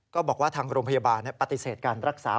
ก็บอกว่าทางโรงพยาบาลปฏิเสธการรักษา